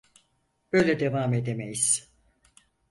Böyle devam edemeyiz.